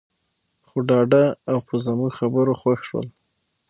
خو ډاډه او په زموږ خبرو خوښ شول.